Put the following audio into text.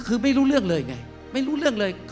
คือไม่รู้เรื่องเลยไงไม่รู้เรื่องเลย